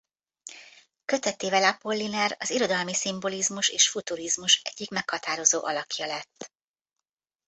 Kötetével Apollinaire az irodalmi szimbolizmus és futurizmus egyik meghatározó alakja lett.